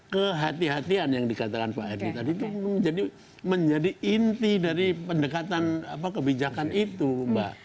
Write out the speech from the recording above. kehatian kehatian yang dikatakan pak herdy tadi itu menjadi inti dari pendekatan kebijakan itu mbak